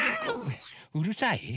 うるさい？